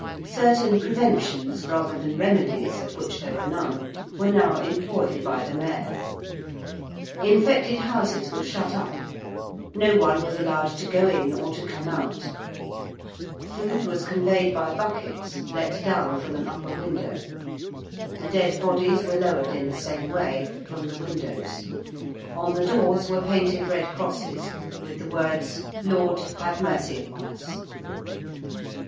Certain preventions, rather than remedies, of which there were none, were now employed by the Mayor. Infected houses were shut up: no one was allowed to go in or to come out: food was conveyed by buckets let down from an upper window: the dead bodies were lowered in the same way, from the windows: on the doors were painted red crosses with the words, 'Lord, have mercy upon us!'